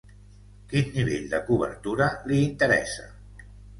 Quin nivell de cobertura li interessa?